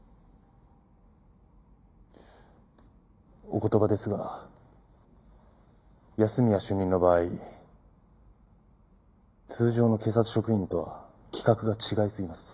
お言葉ですが安洛主任の場合通常の警察職員とは規格が違いすぎます。